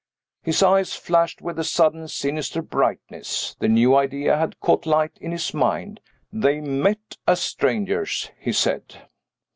His eyes flashed with a sudden sinister brightness the new idea had caught light in his mind. "They met as strangers," he said.